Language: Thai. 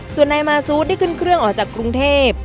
ส่วนนายมาซูดได้ขึ้นเครื่องออกจากกรุงเทพ